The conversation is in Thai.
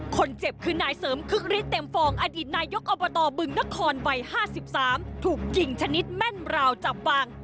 คนเจ็บคือนายเสริมคึกฤทธิเต็มฟองอดีตนายกอบตบึงนครวัย๕๓ถูกยิงชนิดแม่นราวจับวาง